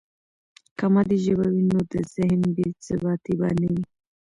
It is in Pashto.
که مادي ژبه وي، نو د ذهن بې ثباتي به نه وي.